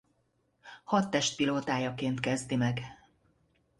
Hadtest pilótájaként kezdi meg.